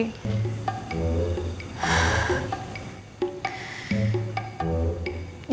kejebak sama sandiwara kita sendiri